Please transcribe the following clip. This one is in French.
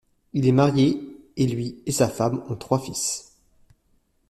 Il est marié et lui et sa femme ont trois fils.